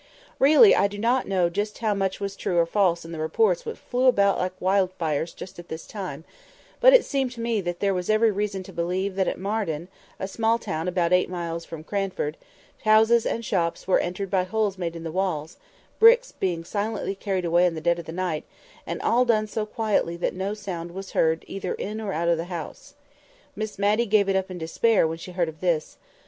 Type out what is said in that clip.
Really I do not know how much was true or false in the reports which flew about like wildfire just at this time; but it seemed to me then that there was every reason to believe that at Mardon (a small town about eight miles from Cranford) houses and shops were entered by holes made in the walls, the bricks being silently carried away in the dead of the night, and all done so quietly that no sound was heard either in or out of the house. Miss Matty gave it up in despair when she heard of this.